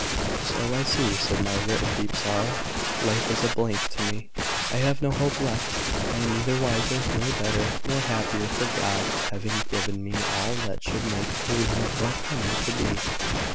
"So I see," said Margaret, in deep sorrow. "Life is a blank to me. I have no hope left. I am neither wiser, nor better, nor happier for God having given me all that should make a woman what I meant to be.